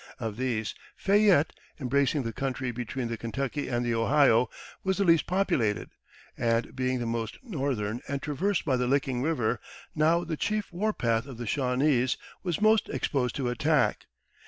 Of these, Fayette, embracing the country between the Kentucky and the Ohio, was the least populated; and, being the most northern and traversed by the Licking River, now the chief war path of the Shawnese, was most exposed to attack.